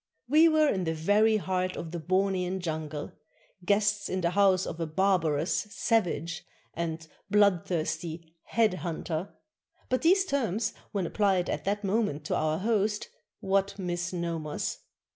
We were in the very heart of the Bornean jungle, guests in the house of a barbarous "savage" and bloodthirsty "head hunter," — but these terms, when applied at that moment to our host, what misnomers